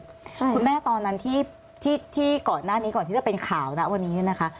คุณแม่ตอนนั้นที่ที่ก่อนหน้านี้ก่อนที่จะเป็นข่าวนะวันนี้เนี่ยนะคะ